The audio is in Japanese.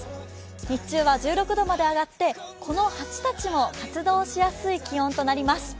日中は１６度まで上がってこの蜂たちも活動しやすい気温となります。